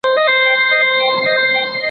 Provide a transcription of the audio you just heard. پاچا ورغى د خپل بخت هديرې ته